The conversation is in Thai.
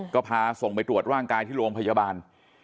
ก็พาส่งไปตรวจร่างกายที่โรงพยาบาล